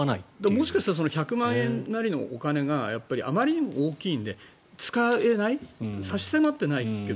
もしかしたら１００万円なりのお金があまりにも大きいので使えない、差し迫ってないと。